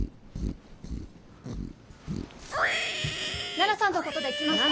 奈々さんのことで来ました。